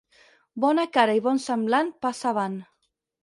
Bona cara i bon semblant, passa avant.